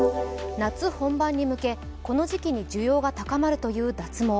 夏本番に向け、この時期に需要が高まるという脱毛。